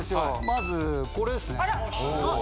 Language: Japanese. まずこれですね。